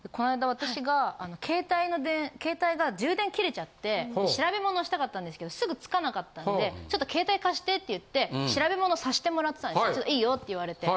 私が携帯が充電切れちゃって調べものしたかったんですけどすぐつかなかったんでちょっと携帯貸してって言って調べ物させてもらってたんです。いいよって言われて。